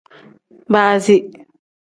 Baazi.